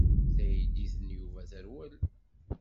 Taydit n Yuba terwel.